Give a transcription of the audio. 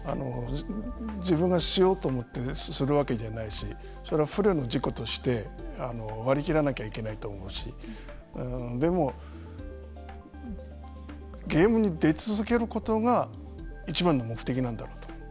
自分がしようと思ってするわけじゃないしそれは不慮の事故として割り切らなきゃいけないと思うしでも、ゲームに出続けることがいちばんの目的なんだろうと。